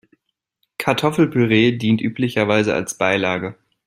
Kartoffelpüree dient üblicherweise als Beilage.